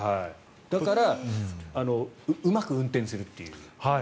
だからうまく運転するという。